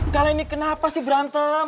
kalau ini kenapa sih berantem